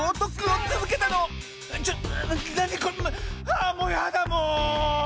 あもうやだもう！